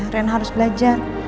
rena harus belajar